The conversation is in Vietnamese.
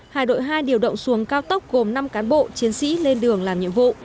hải đội hai điều động xuống cao tốc gồm năm cán bộ chiến sĩ lên đường làm nhiệm vụ